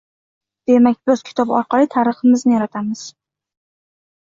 Demak, biz kitob orqali tariximizni yaratamiz.